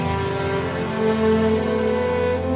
saya akan bawa anak ke rumah mereka